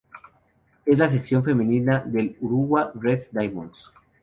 Es la sección femenina del Urawa Red Diamonds.